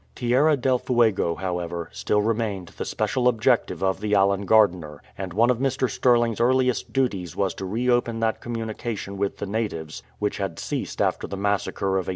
Tierra del Fuego, however, still remained the special objective of the Allen Gardiner^ and one of Mr. Stirling's earliest duties was to reopen that communication with the natives which had ceased after the massacre of 1859.